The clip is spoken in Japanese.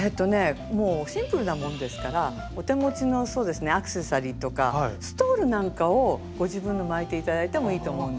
もうシンプルなものですからお手持ちのアクセサリーとかストールなんかをご自分のを巻いて頂いてもいいと思うんですよね。